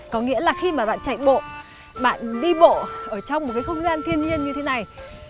có nghĩa là khi mà bạn chạy bộ bạn đi bộ ở trong một cái không gian thiên nhiên như thế này